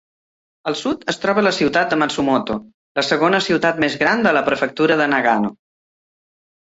Al sud, es troba la ciutat de Matsumoto, la segona ciutat més gran de la prefectura de Nagano.